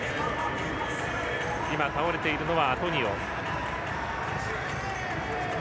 今、倒れているのはアトニオ。